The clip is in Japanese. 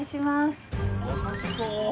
優しそう。